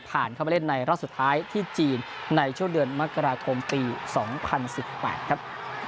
ผ่านเข้าไปเล่นในรอบสุดท้ายที่จีนในช่วงเดือนมกราคมปี๒๐๑๘ครับ